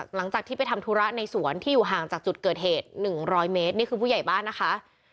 หลังจากที่ไปทำธุระในสวนที่อยู่ห่างจากจุดเกิดเหตุ๑๐๐เมตรนี่คือผู้ใหญ่บ้านนะคะ